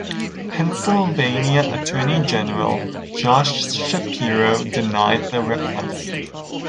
Pennsylvania Attorney General Josh Shapiro denied the request.